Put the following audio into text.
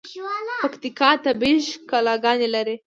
پکیتکا طبیعی ښکلاګاني لري.